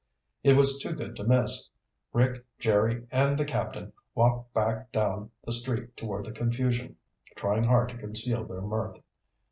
It was too good to miss. Rick, Jerry, and the Captain walked back down the street toward the confusion, trying hard to conceal their mirth.